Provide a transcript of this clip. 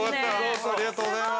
ありがとうございます。